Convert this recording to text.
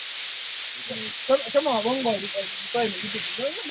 Karibu theluthi mbili ya watu wa Zanzibar wanaishi unguja